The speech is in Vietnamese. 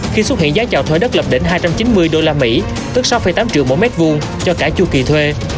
khi xuất hiện giá trào thuê đất lập đỉnh hai trăm chín mươi usd tức sáu tám triệu mỗi mét vuông cho cả chu kỳ thuê